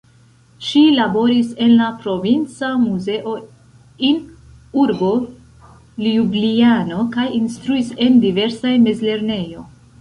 Ŝi laboris en la provinca muzeo in urbo Ljubljano kaj instruis en diversaj mezlernejo.